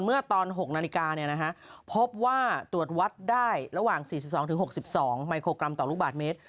เมื่อตอน๖นาฬิกาพบว่าตรวจวัดได้ระหว่าง๔๒๖๒มิโครกรัมต่อลูกบาทเมตร